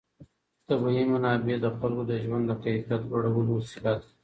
طبیعي منابع د خلکو د ژوند د کیفیت لوړولو وسیله ده.